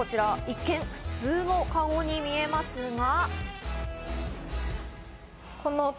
一見普通のかごに見えますが。